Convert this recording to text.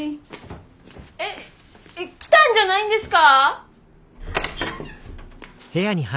えっ来たんじゃないんですか？